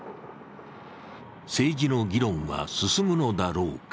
政治の議論は進むのだろうか。